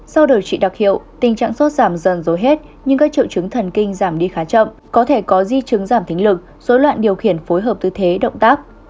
sau điều trị đặc hiệu tình trạng sốt giảm dần dối hết nhưng các triệu chứng thần kinh giảm đi khá chậm có thể có di chứng giảm thính lực dối loạn điều khiển phối hợp tư thế động tác